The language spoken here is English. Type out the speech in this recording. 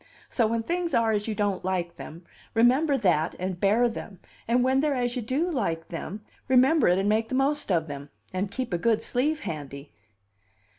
So, when things are as you don't like them, remember that and bear them; and when they're as you do like them, remember it and make the most of them and keep a good sleeve handy!"